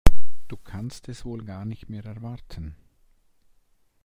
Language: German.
Du kannst es wohl gar nicht mehr erwarten.